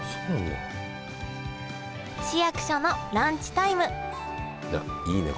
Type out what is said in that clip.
市役所のランチタイムいいね